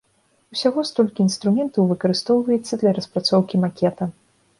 Усяго столькі інструментаў выкарыстоўваецца для распрацоўкі макета.